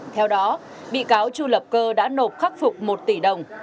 theo đó bị cáo chu lập cơ đã nộp khắc phục một tỷ đồng